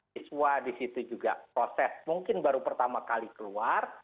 siswa di situ juga proses mungkin baru pertama kali keluar